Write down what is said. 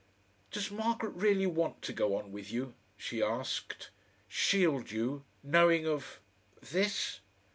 "Does Margaret really want to go on with you?" she asked "shield you knowing of... THIS?"